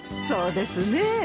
そうですね。